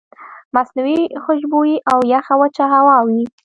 مصنوعي خوشبويئ او يخه وچه هوا وي